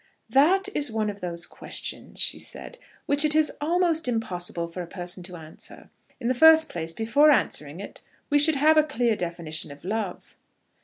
"That is one of those questions," she said, "which it is almost impossible for a person to answer. In the first place, before answering it, we should have a clear definition of love."